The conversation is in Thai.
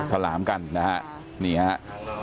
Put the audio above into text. สลามกันนะครับนี่ครับ